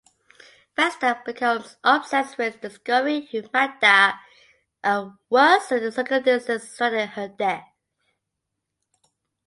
Vesta becomes obsessed with discovering who Magda was and the circumstances surrounding her death.